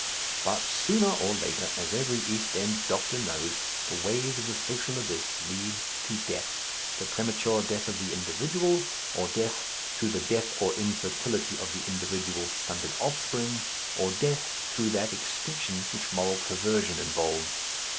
But sooner or later, as every East End doctor knows, the ways of the social abyss lead to death, the premature death of the individual, or death through the death or infertility of the individual's stunted offspring, or death through that extinction which moral perversion involves.